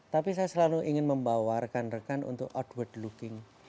tapi saya selalu ingin membawa rekan rekan untuk outward looking